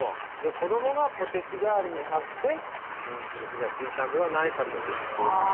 子供がポテチ代わりに買って人気に火がついたんではないかという。